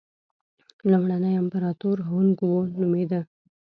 لومړنی امپراتور هونګ وو نومېده.